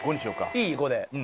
いい？５で。